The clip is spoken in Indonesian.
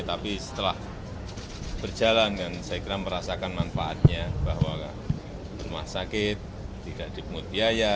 tapi setelah berjalan kan saya kira merasakan manfaatnya bahwa rumah sakit tidak dipungut biaya